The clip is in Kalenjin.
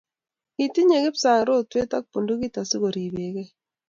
Kitinyei Kipsang' rotwe ak bundukit asikuribgei